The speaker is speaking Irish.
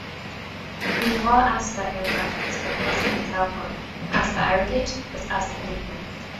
Bhí dhá easpa ar an bhfeachtas nuair a thosaigh an toghchán, easpa airgid agus easpa daoine.